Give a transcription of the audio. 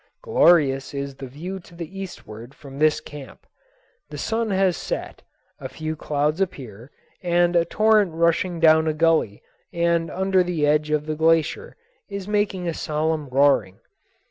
Glorious is the view to the eastward from this camp. The sun has set, a few clouds appear, and a torrent rushing down a gully and under the edge of the glacier is making a solemn roaring.